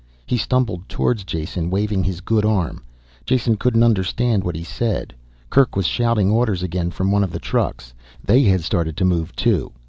He stumbled towards Jason, waving his good arm. Jason couldn't understand what he said. Kerk was shouting orders again from one of the trucks. They had started to move too.